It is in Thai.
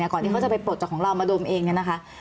ก่อนที่เขาจะไปปลดจากของเรามาดมเองเนี่ยนะคะ